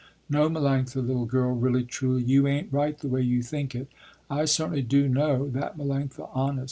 No Melanctha, little girl, really truly, you ain't right the way you think it. I certainly do know that Melanctha, honest.